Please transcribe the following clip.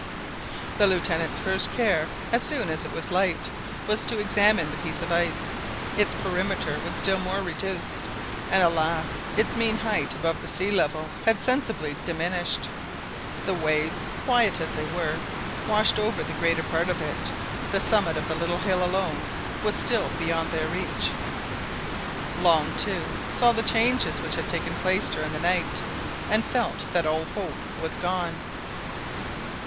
The Lieutenant's first care, as soon as it was light, was to examine the piece of ice. Its perimeter was still more reduced, and, alas! its mean height above the sea level had sensibly diminished. The waves, quiet as they were, washed over the greater part of it; the summit of the little hill alone was still beyond their reach. Long, too, saw the changes which had taken place during the night, and felt that all hope was gone.